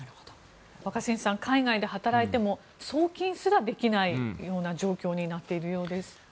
若新さん海外で働いても送金すらできないような状況になっているようです。